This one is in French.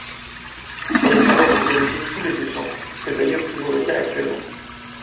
Elle est alors organisée tous les deux ans, c'est d'ailleurs toujours le cas actuellement.